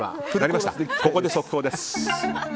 ここで速報です。